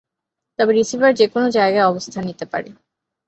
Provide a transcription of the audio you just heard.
তবে রিসিভার যে কোন জায়গায় অবস্থান নিতে পারে।